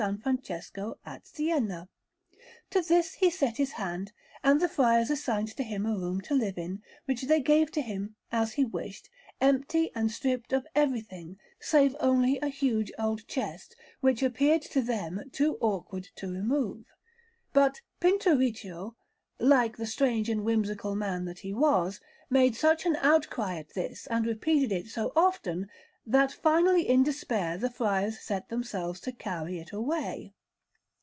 Francesco at Siena. To this he set his hand, and the friars assigned to him a room to live in, which they gave to him, as he wished, empty and stripped of everything, save only a huge old chest, which appeared to them too awkward to remove. But Pinturicchio, like the strange and whimsical man that he was, made such an outcry at this, and repeated it so often, that finally in despair the friars set themselves to carry it away.